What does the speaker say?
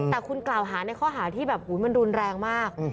แต่คุณกล่าวหาในข้อหาที่แบบมันรุนแรงมาก